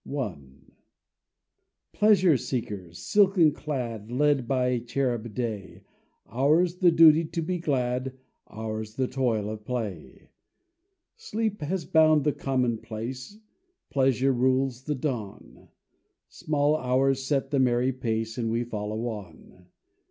I Pleasure seekers, silken clad, Led by cherub Day, Ours the duty to be glad, Ours the toil of play. Sleep has bound the commonplace, Pleasure rules the dawn. Small hours set the merry pace And we follow on.